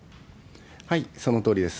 はい、そのとおりです。